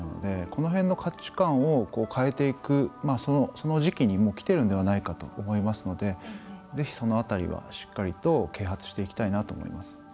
この辺の価値観を変えていくその時期にもうきてるんじゃないかと思いますのでぜひその辺りは、しっかりと啓発していきたいと思います。